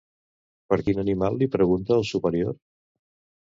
Per quin animal li pregunta el superior?